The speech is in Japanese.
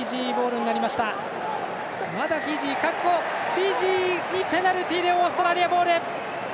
フィジーにペナルティでオーストラリアボール！